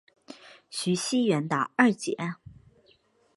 徐熙媛的二姐。